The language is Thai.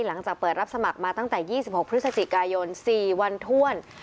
หลังจากเปิดรับสมัครมาตั้งแต่๒๖พฤศจิกายน๔วันถ้วน